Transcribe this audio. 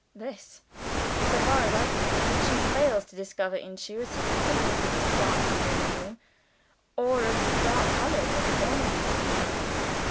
"This. So far as I can see, she fails to discover intuitively the presence of dark people in a room, or of dark colors in the ornaments of a room.